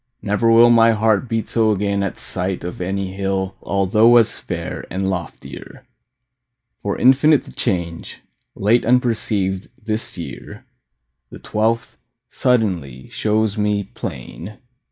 Never will My heart beat so again at sight Of any hill although as fair And loftier. For infinite The change, late unperceived, this year, The twelfth, suddenly, shows me plain.